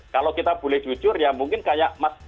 kalau kita boleh jujur ya mungkin kayak mas